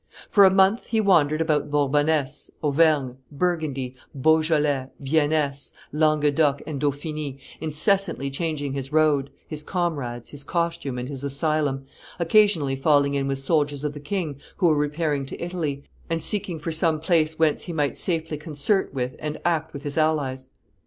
For a month he wandered about Bourbonness, Auvergne, Burgundy, Beaujolais, Vienness, Languedoc, and Dauphiny, incessantly changing his road, his comrades, his costume, and his asylum, occasionally falling in with soldiers of the king who were repairing to Italy, and seeking for some place whence he might safely concert with and act with his allies.